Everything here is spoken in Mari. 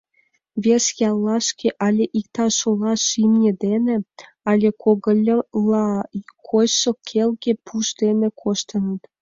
Вес яллашке але иктаж олаш имне дене, але когыльыла койшо келге пуш дене коштыныт.